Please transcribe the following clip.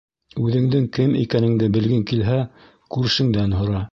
Үҙеңдең кем икәненде белгең килһә, күршеңдән һора.